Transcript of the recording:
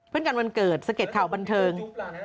เป็นการวันเกิดสะเด็ดข่าวบันเทิง